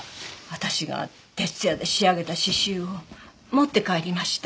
私が徹夜で仕上げた刺繍を持って帰りました。